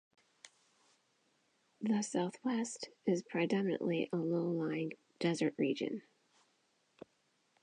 The Southwest is predominantly a low-lying desert region.